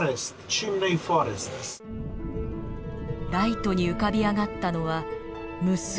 ライトに浮かび上がったのは無数の柱。